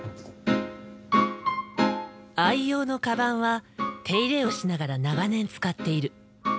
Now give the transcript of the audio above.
愛用のカバンは手入れをしながら長年使っている。